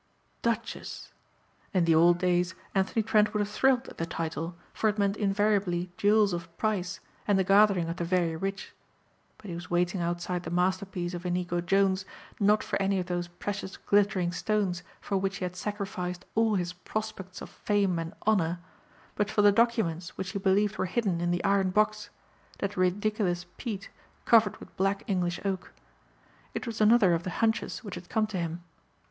"Duchess!" In the old days Anthony Trent would have thrilled at the title for it meant invariably jewels of price and the gathering of the very rich. But he was waiting outside the masterpiece of Inigo Jones not for any of those precious glittering stones for which he had sacrificed all his prospects of fame and honor but for the documents which he believed were hidden in the iron box, that ridiculous "pete" covered with black English oak. It was another of the "hunches" which had come to him.